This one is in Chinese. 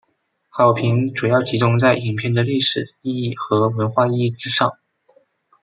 好评主要集中在影片的历史意义和文化意义之上。